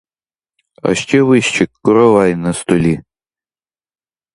А ще вище — коровай на столі!